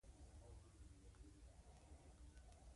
کپسول یا محفظه د باکتریاوو دیوال پوښي.